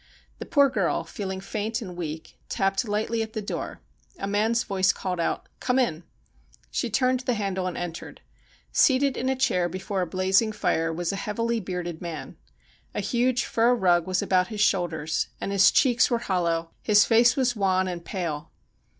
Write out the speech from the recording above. The poor girl, feeling faint and weak, tapped lightly at the door. A man's voice called out : 'Come in.' She turned the handle and entered. Seated in a chair before a blazing fire was a heavily bearded man. A huge fur rug was about his shoulders, and his cheeks were hollow, his face was wan and pale.